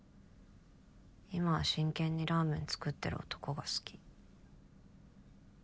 今は真剣にラーメン作ってる男が好き。